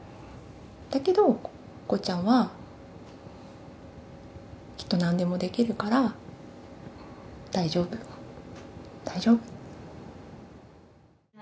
だけどこうちゃんはきっとなんでもできるから大丈夫大丈夫。